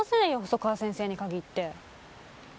細川先生に限って。